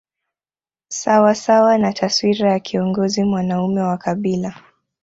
Sawa sawa na taswira ya kiongozi mwanaume wa kabila